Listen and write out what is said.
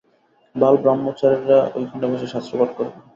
বালব্রহ্মচারীরা ঐখানে বাস করে শাস্ত্রপাঠ করবে।